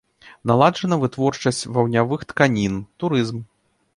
Наладжана вытворчасць ваўняных тканін, турызм.